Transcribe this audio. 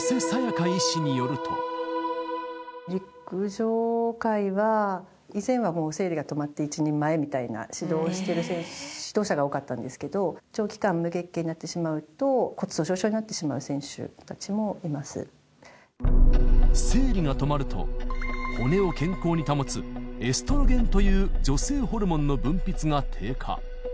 陸上界は、以前はもう生理が止まって一人前みたいな指導をしている指導者が多かったんですけど、長期間無月経になってしまうと、骨粗しょう症になってしまう選手生理が止まると、骨を健康に保つエストロゲンという女性ホルモンの分泌が低下。